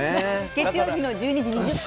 月曜日の１２時２０分。